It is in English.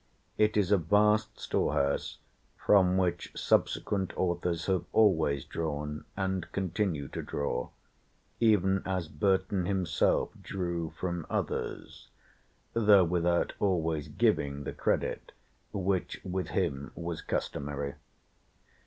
It is a vast storehouse from which subsequent authors have always drawn and continue to draw, even as Burton himself drew from others, though without always giving the credit which with him was customary.